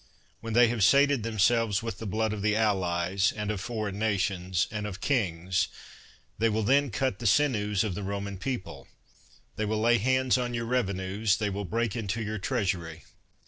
When they have sated themselves with the blood of the allies, and of foreign nations, and of kings, they will then cut the sinews of the Roman people ; they will lay hands on your reve nues ; they will break into your treasury.